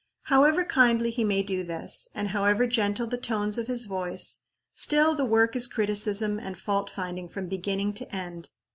However kindly he may do this, and however gentle the tones of his voice, still the work is criticism and fault finding from beginning to end.